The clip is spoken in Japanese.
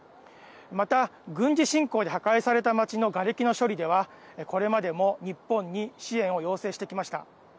また、軍事侵攻で破壊された町のがれきの処理ではこれまでも、日本に支援を要請してきました。